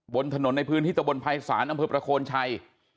บนถนนในพื้นที่ตะบนภัยศาลอำเภอประโคนชัย